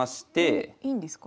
おっいいんですか？